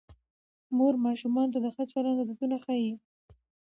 مور ماشومانو ته د ښه چلند عادتونه ښيي